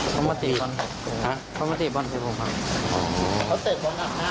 เขามาเตะบอลอัดหน้าผมครับเขาเตะบอลอัดหน้าแล้วใช่ไหม